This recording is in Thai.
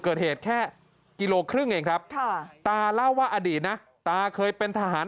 เกิดเหตุแค่กิโลครึ่งเองครับตาเล่าว่าอดีตนะตาเคยเป็นทหาร